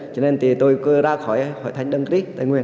cho nên thì tôi ra khỏi hội thánh tin lành đấng cris tây nguyên